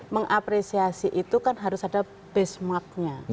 mengapresiasi itu kan harus ada benchmarknya